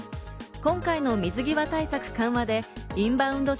今回の水際対策緩和でインバウンド